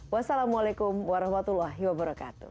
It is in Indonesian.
wassalamualaikum warahmatullahi wabarakatuh